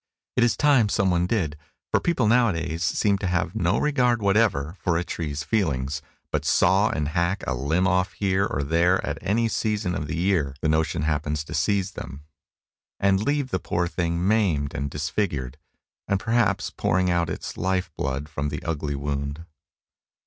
It is time someone did, for people nowadays seem to have no regard whatever for a tree's feelings, but saw and hack a limb off here or there at any season of the year the notion happens to seize them, and leave the poor thing maimed and disfigured, and perhaps pouring out its life blood from the ugly wound.